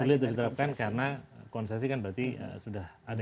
sulit untuk diterapkan karena konsesi kan berarti sudah ada